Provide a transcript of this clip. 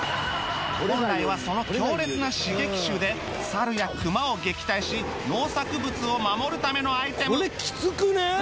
本来はその強烈な刺激臭で猿や熊を撃退し農作物を守るためのアイテム